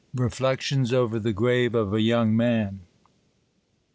Reflections over the Grave of a Young Man.